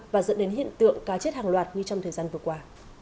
và dẫn đến hiện tượng cá chết hàng loạt như trong thời gian vừa qua